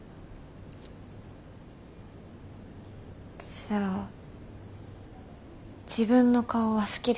じゃあ自分の顔は好きですか？